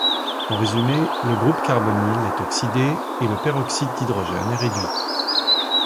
En résumé, le groupe carbonyle est oxydé et le peroxyde d'hydrogène est réduit.